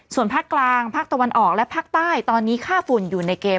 ส่วนภาคกลางภาคตะวันออกและภาคใต้ตอนนี้ค่าฝุ่นอยู่ในเกณฑ์